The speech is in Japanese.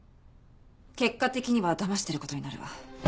結果的にはだましてる事になるわ。